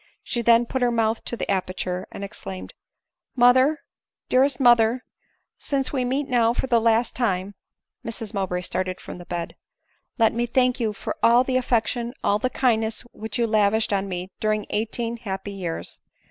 She then put her mouth to the aperture, and exclaimed, " Mother, dearest mother ! since we meet now for the last time—" (Mrs Mowbray started from the bed,) " let me thank you for all the affection, all the kindness which you lavished on me during eighteen happy year£.